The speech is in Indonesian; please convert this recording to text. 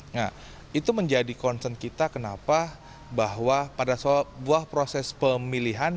nah itu menjadi concern kita kenapa bahwa pada sebuah proses pemilihan